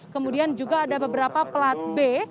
kemudian juga ada beberapa plat b